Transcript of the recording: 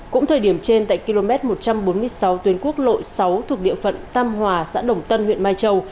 cũng thời điểm trên tại km một trăm bốn mươi sáu tuyến quốc lộ sáu thuộc địa phận tam hòa xã đồng tân huyện mai châu